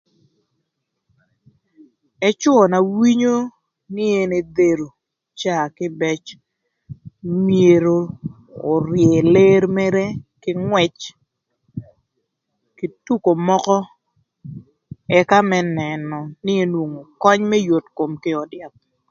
Ëcwö na winyo nï ën edhero caa kïbëc myero öryë lër mërë kï ngwëc, kï tuko mökö, ëka më nënö nï enwöngo köny më yot kom kï öd yath.